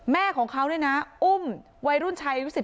แม่ของเขาเนี่ยนะอุ้มวัยรุ่นชายอายุ๑๘